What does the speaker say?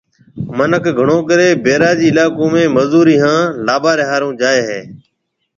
مِنک گھڻو ڪرَي بئيراجي علائقون ۾ مزوري ھان لاڀارَي ھارُو جائيَ ھيََََ